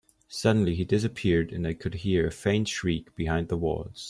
Suddenly, he disappeared, and I could hear a faint shriek behind the walls.